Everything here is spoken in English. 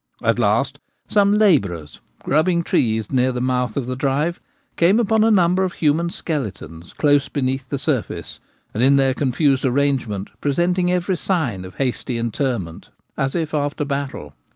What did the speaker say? At last some labourers grubbing trees near the mouth of the drive came upon a number of human skeletons, close beneath the surface, and in their con fused arrangement presenting every sign of hasty in terment, as if after battle.